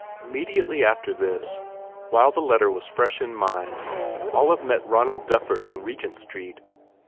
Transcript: Immediately after this, while the letter was fresh in mind Olive met Ronald Dufford on Re gent Street.